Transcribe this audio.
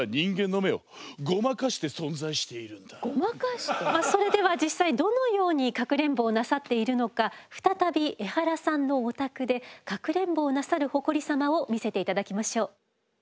俺たちはそれでは実際どのようにかくれんぼをなさっているのか再びエハラさんのお宅でかくれんぼをなさるホコリ様を見せて頂きましょう。